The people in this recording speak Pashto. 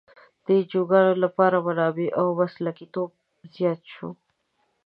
د انجوګانو لپاره منابع او مسلکیتوب زیات شو.